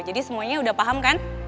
jadi semuanya sudah paham kan